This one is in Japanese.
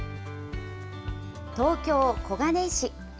東京・小金井市。